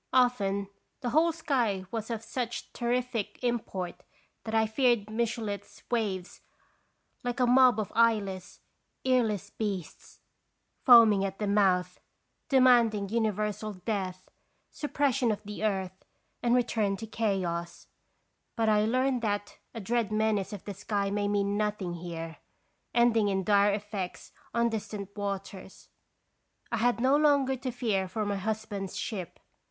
Often i44 21 Gracious bisitation. the whole sky was of such terrific import that I feared Michelet's waves, like a mob of eye less, earless beasts, foaming at the mouth, de manding universal death, suppression of the earth, and return to chaos; but I learned that a dread menace of the sky may mean nothing here, ending in dire effects on distant waters. I had no longer to fear for my husband's ship.